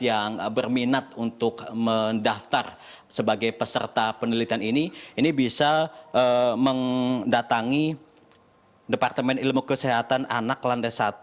yang berminat untuk mendaftar sebagai peserta penelitian ini ini bisa mendatangi departemen ilmu kesehatan anak lantai satu